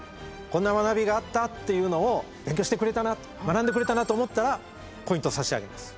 「こんな学びがあった」っていうのを勉強してくれたなと学んでくれたなと思ったらポイント差し上げます。